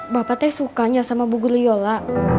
bapak teh sukanya sama bu guliyola